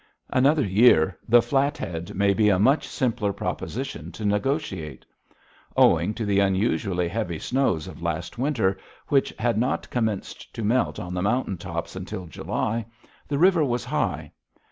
Another year, the Flathead may be a much simpler proposition to negotiate. Owing to the unusually heavy snows of last winter, which had not commenced to melt on the mountain tops until July, the river was high.